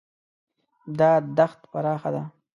دا دښت پراخه ده.